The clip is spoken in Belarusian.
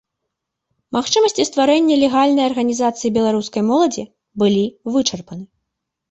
Магчымасці стварэння легальнай арганізацыі беларускай моладзі былі вычарпаны.